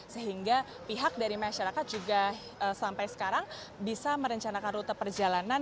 sehingga pihak dari masyarakat juga sampai sekarang bisa merencanakan rute perjalanan